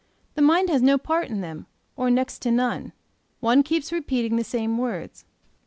The mind has no part in them, or next to none; one keeps repeating the same words.